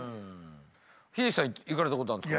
英樹さん行かれたことあるんですか？